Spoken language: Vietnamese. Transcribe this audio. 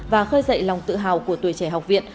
và khơi dậy lòng tự hào của tuổi trẻ học viện